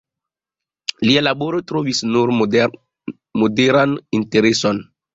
Lia laboro trovis nur moderan intereson.